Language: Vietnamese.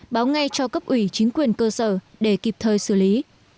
báo ngay cho cấp ủy chính quyền cơ sở để kịp thời xử lý